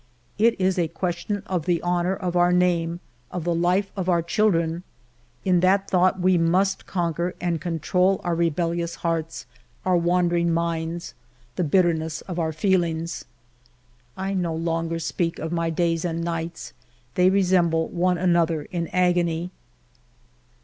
It is a question of the honor of our name, of the life of our chil dren. In that thought we must conquer, and control our rebellious hearts, our wandering minds, the bitterness of our feelings. I no longer speak of my days and nights ; they resemble one another in agony.